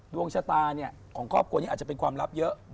ดวงชะตาของครอบครัวนี้อาจจะเป็นความลับเยอะ